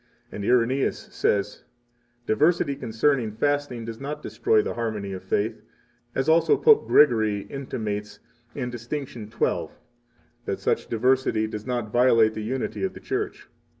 And Irenaeus says: Diversity concerning fasting does not destroy the harmony of faith; as also Pope Gregory intimates in Dist. XII, that such diversity does not violate the unity of the Church.